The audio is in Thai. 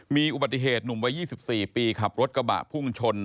มีอุบัติเหตุหนุ่มวัย๒๔ปีขับรถกระบะพุ่งชน